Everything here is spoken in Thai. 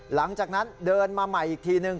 หลังจากนั้นเดินมาใหม่อีกทีนึง